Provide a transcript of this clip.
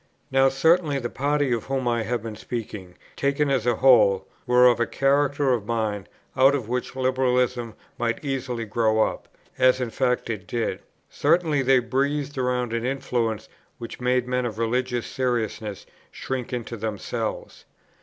Now certainly the party of whom I have been speaking, taken as a whole, were of a character of mind out of which Liberalism might easily grow up, as in fact it did; certainly they breathed around an influence which made men of religious seriousness shrink into themselves.